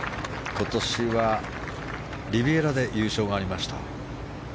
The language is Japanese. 今年はリビエラで優勝がありました。